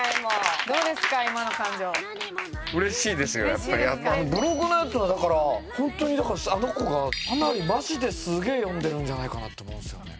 やっぱブログのやつはだからホントにあの子がかなりマジですげえ読んでるんじゃないかなと思うんですよね。